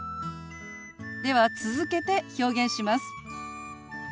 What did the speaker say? では続けて表現します。